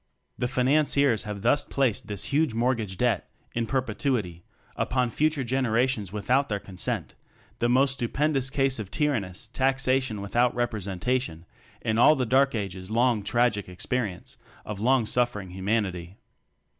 The "Financiers" have thus placed this huge mortgage debt (in perpet uity) upon future generations with out their consent the most stupend ous case of tyrannous "taxation with out representation" in all the dark ages long tragic experience of long suffering humanity.